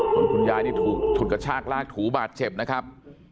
คนคุณยายที่ถูกถูกกระชากลากถูบาดเฉพนะครับ